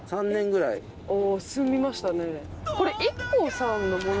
あぁ住みましたね。